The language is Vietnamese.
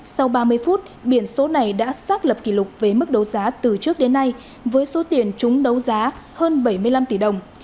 sau ba mươi phút biển số này đã xác lập kỷ lục với mức đấu giá từ trước đến nay với số tiền chúng đấu giá hơn bảy mươi năm tỷ đồng